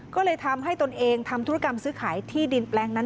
ก็เลยทำให้ตนเองทำธุรกรรมซื้อขายที่ดินแปลงนั้น